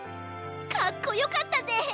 かっこよかったぜ。